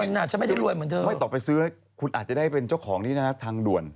ซื้อในตัวเมืองอย่างนี้ไม่ต่อไปซื้อคุณอาจจะได้เป็นเจ้าของที่นัดทางด่วน